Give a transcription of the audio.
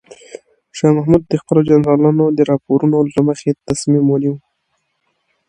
شاه محمود د خپلو جنرالانو د راپورونو له مخې تصمیم ونیو.